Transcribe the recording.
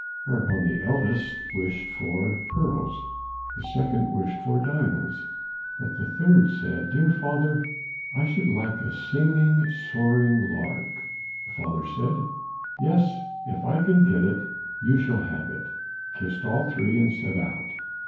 Whereupon the eldest wished for pearls, the second wished for diamonds, but the third said, "Dear father, I should like a singing, soaring lark." The father said, "Yes, if I can get it, you shall have it," kissed all three, and set out.